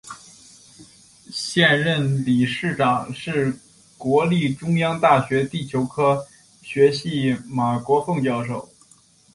现任理事长是国立中央大学地球科学系马国凤教授。